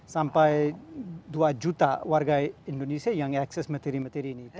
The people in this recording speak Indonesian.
sampai dua juta warga indonesia yang akses materi materi ini